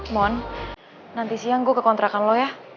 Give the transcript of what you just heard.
mon nanti siang gue kekontrakan lo ya